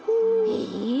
へえ！